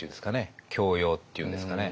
教養っていうんですかね